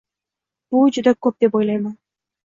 Bu juda ko‘p, deb o‘ylayman.